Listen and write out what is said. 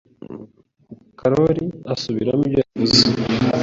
Karoli asubiramo ibyo yavuze.